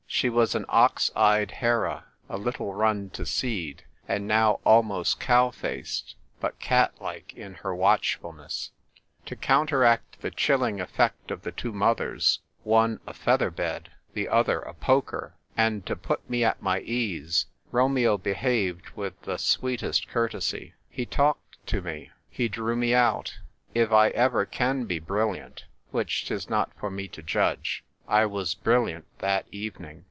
She was an ox eyed Hera, a little run to seed, and now almost cow faced, but cat like in her watchfulness. To counteract the chilling effect of the two mothers — one a feather bed, the other a poker — and to put me at my ease, Romeo behaved with the sweetest courtes3^ He talked to me ; he drew me out; if I ever can be brilliant (which 'tis not for me to judge) I was brilliant that evening.